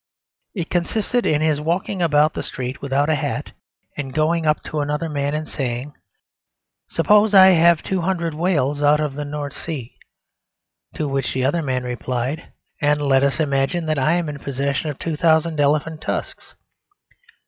It consisted in his walking about the street without a hat and going up to another man and saying, "Suppose I have two hundred whales out of the North Sea." To which the other man replied, "And let us imagine that I am in possession of two thousand elephants' tusks."